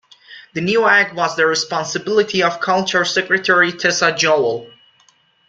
The new act was the responsibility of culture secretary Tessa Jowell.